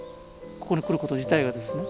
ここに来ること自体がですね。